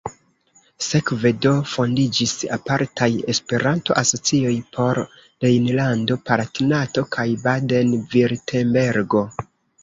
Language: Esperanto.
Sekve do fondiĝis apartaj Esperanto-asocioj por Rejnlando-Palatinato kaj Baden-Virtembergo.